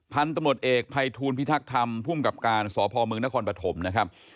พันธุ์ตำรวจเอกภัยทูลพิทักษ์ธรรมภูมิกับการสพมนครปฐมนะครับ